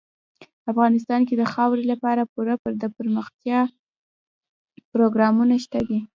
افغانستان کې د خاورې لپاره پوره دپرمختیا پروګرامونه شته دي.